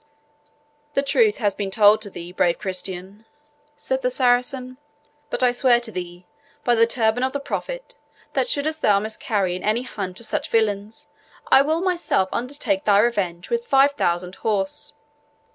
"The truth has been told to thee, brave Christian," said the Saracen; "but I swear to thee, by the turban of the Prophet, that shouldst thou miscarry in any haunt of such villains, I will myself undertake thy revenge with five thousand horse.